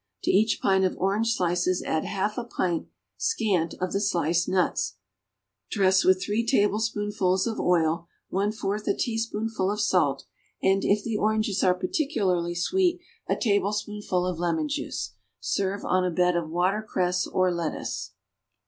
To each pint of orange slices add half a pint (scant) of the sliced nuts; dress with three tablespoonfuls of oil, one fourth a teaspoonful of salt, and, if the oranges are particularly sweet, a tablespoonful of lemon juice. Serve on a bed of watercress or lettuce.